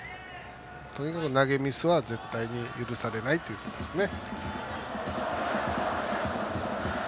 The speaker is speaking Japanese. とにかく投げミスは絶対に許されないということですね。